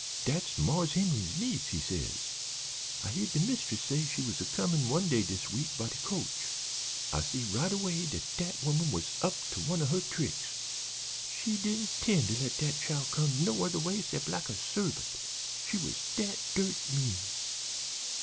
"'Dat's Marse Henry's niece,' he says. 'I heared de mistress say she was a comin' one day dis week by de coach.' "I see right away dat dat woman was up to one of her tricks; she didn't 'tend to let dat chile come no other way 'cept like a servant; she was dat dirt mean.